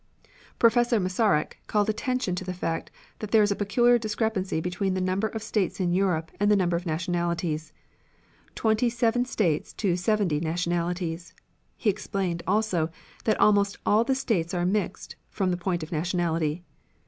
Professor Masaryk called attention to the fact that there is a peculiar discrepancy between the number of states in Europe and the number of nationalities twenty seven states to seventy nationalities. He explained, also, that almost all the states are mixed, from the point of nationality.